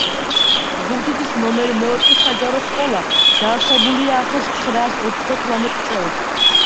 ზუგდიდის ნომერ მეოთხე საჯარო სკოლა დაარსებულია ათას ცხრაას ოცდათვრამეტ წელს.